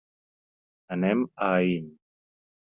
Anem a Aín.